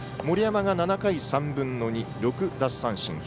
森山が７回３分の２、６奪三振。